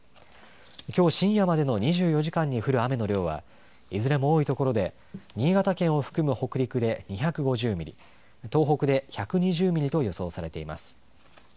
きょう深夜までの２４時間に降る雨の量はいずれも多い所で新潟県を含む北陸で２５０ミリ東北で１２０ミリと予想されています。